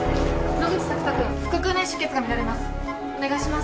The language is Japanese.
野口朔太君腹腔内出血が見られます。